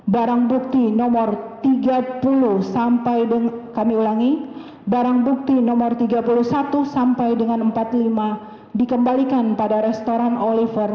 barang bukti nomor tiga puluh sampai dengan empat puluh lima dikembalikan pada restoran oliver